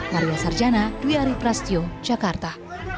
maria sarjana duyari prasetyo jakarta